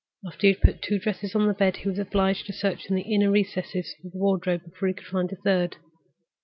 After he had put two dresses on the bed, he was obliged to search in the inner recesses of the wardrobe before he could find a third.